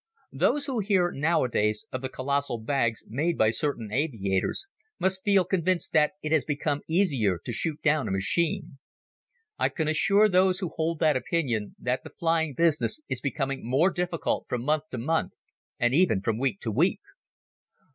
Those who hear nowadays of the colossal bags made by certain aviators must feel convinced that it has become easier to shoot down a machine. I can assure those who hold that opinion that the flying business is becoming more difficult from month to month and even from week to week.